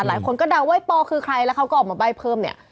หลายคนก็เดาว่าปอคือใครแล้วเขาก็ออกมาใบ้เพิ่มเนี่ย